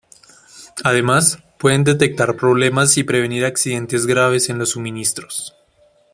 Además, pueden detectar problemas y prevenir accidentes graves en los suministros.